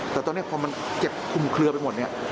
แต่ตอนนี้พอมันเจ็บคุมเคลือไปหมดเนี่ย